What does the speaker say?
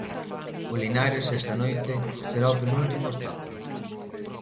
O Linares, esta noite, será o penúltimo obstáculo.